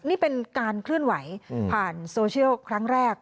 นี่เป็นการเคลื่อนไหวผ่านโซเชียลครั้งแรก